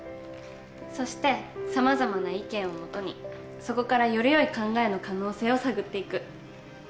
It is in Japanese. そしてさまざまな意見をもとにそこからよりよい考えの可能性を探っていく。